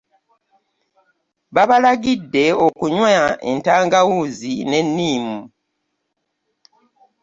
Babalagidde okunywa entangawuzi n'ennimu.